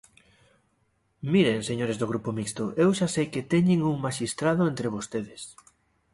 Miren, señores do Grupo Mixto, eu xa sei que teñen un maxistrado entre vostedes.